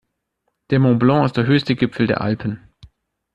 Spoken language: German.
Der Mont Blanc ist der höchste Gipfel der Alpen.